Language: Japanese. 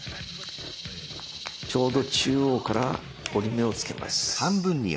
ちょうど中央から折り目をつけます。